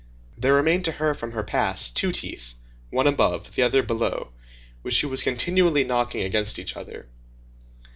There remained to her from her past, two teeth,—one above, the other below,—which she was continually knocking against each other.